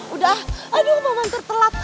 udah aduh mama tertelap